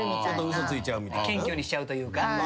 謙虚にしちゃうというか。